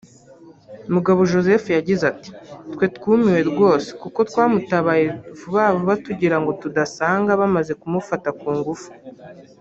Mugabo Joseph yagize ati “ Twe twumiwe rwose kuko twamutabaye vuba vuba tugira ngo tudasanga bamaze kumufata ku ngufu